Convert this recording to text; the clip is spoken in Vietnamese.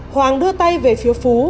hoàng đưa tay về phía phú